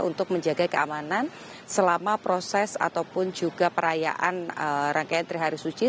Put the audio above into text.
untuk menjaga keamanan selama proses ataupun juga perayaan rangkaian trihari suci